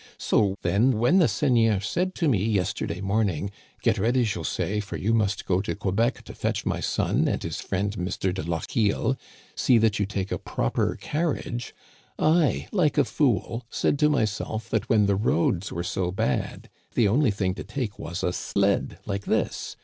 So, then, when the seigneur said to me yesterday morning, * Get ready, José, for you must go to Quebec to fetch my son and his friend Mr. de Lochiel ; see that you take a proper carriage '— I, like a fool, said to myself that when the roads were so bad the only thing to take was a sled like this